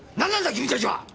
君たちは。